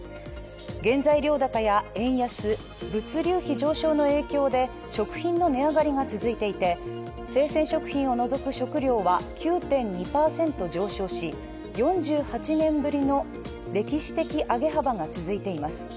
原材料高や円安、物流費上昇の影響で食品の値上がりが続いていて生鮮食品を除く食料は９．２％上昇し４８年ぶりの歴史的上げ幅が続いています。